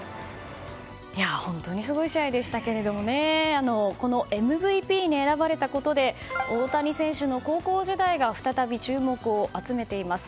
本当にすごい試合でしたけれどもこのＭＶＰに選ばれたことで大谷選手の高校時代が再び注目を集めています。